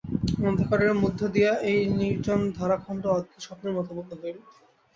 অন্ধকারের মধ্য দিয়া এই নির্জন ধরাখণ্ড অদ্ভুত স্বপ্নের মতো বোধ হইল।